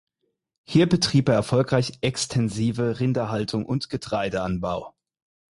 Hier betrieb er erfolgreich extensive Rinderhaltung und Getreideanbau.